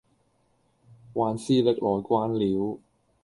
還是歷來慣了，